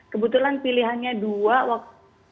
kebetulan pilihannya dua waktu